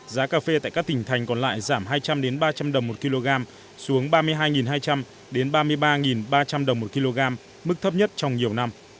giá cà phê tại các tỉnh thành còn lại giảm hai trăm linh ba trăm linh đồng một kg xuống ba mươi hai hai trăm linh ba mươi ba ba trăm linh đồng một kg mức thấp nhất trong nhiều năm